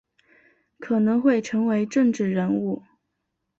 可能会成为政治人物